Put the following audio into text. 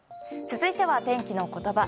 続いては天気のことば。